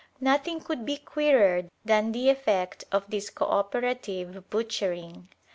Nothing could be queerer than the effect of this co operative butchering.